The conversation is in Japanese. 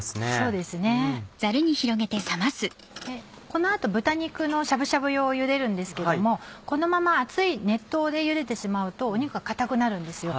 この後豚肉のしゃぶしゃぶ用を茹でるんですけどもこのまま熱い熱湯で茹でてしまうと肉が硬くなるんですよ。